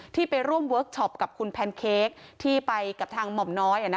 ไปร่วมเวิร์คชอปกับคุณแพนเค้กที่ไปกับทางหม่อมน้อย